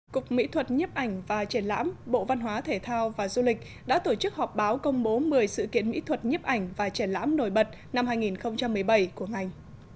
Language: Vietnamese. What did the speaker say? cục mỹ thuật nhiếp ảnh và triển lãm bộ văn hóa thể thao và du lịch đã tổ chức họp báo công bố một mươi sự kiện mỹ thuật nhiếp ảnh và triển lãm nổi bật năm hai nghìn một mươi bảy của ngành